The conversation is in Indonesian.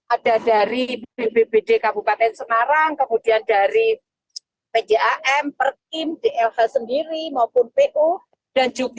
ada dari bbbd kabupaten semarang kemudian dari pjam perkim dlh sendiri maupun pu